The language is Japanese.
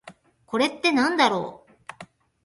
これってなんだろう？